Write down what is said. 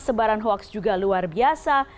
sebaran hoaks juga luar biasa